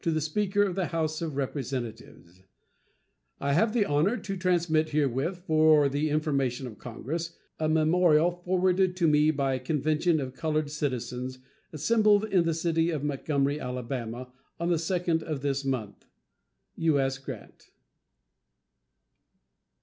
The SPEAKER OF THE HOUSE OF REPRESENTATIVES: I have the honor to transmit herewith, for the information of Congress, a memorial forwarded to me by a convention of colored citizens assembled in the city of Montgomery, Ala., on the 2d of this month. U.S. GRANT.